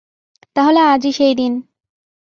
তাহলে আজই সেই দিন।